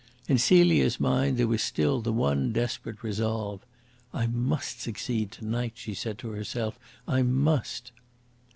In Celia's mind there was still the one desperate resolve. "I must succeed to night," she said to herself "I must!"